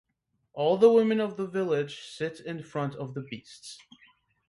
All the women of the village sit in front of the beasts.